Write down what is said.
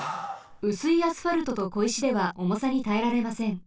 うすいアスファルトとこいしではおもさにたえられません。